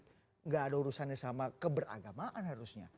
tidak ada urusannya sama keberagamaan harusnya